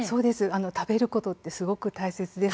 食べることはすごく大切です。